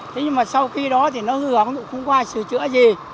thế nhưng mà sau khi đó thì nó hư hóng cũng không qua sửa chữa gì